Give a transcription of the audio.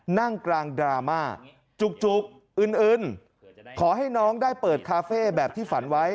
นั่งกลางดราม่าจุกอึนขอให้น้องได้เปิดคาเฟ่แบบที่ฝันไว้